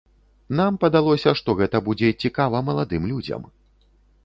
Нам падалося, што гэта будзе цікава маладым людзям.